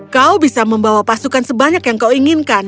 kau bisa membawa pasukan sebanyak yang kau inginkan